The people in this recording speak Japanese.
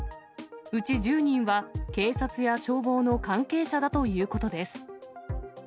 うち１０人は警察や消防の関係者だということです。